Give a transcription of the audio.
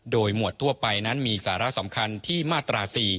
โดยหมวดทั่วไปนั้นมีสาระสำคัญที่มาตรา๔